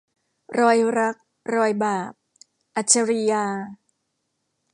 รอยรัก รอยบาป - อัจฉรียา